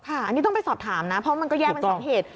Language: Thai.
อันนี้ต้องไปสอบถามนะเพราะมันก็แยกเป็นสองเหตุ